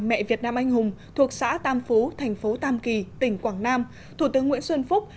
mẹ việt nam anh hùng thuộc xã tam phú thành phố tam kỳ tỉnh quảng nam thủ tướng nguyễn xuân phúc